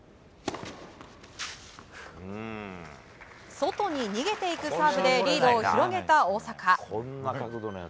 外に逃げていくサーブでリードを広げた大坂。